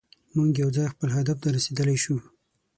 موږ یوځای خپل هدف ته رسیدلی شو.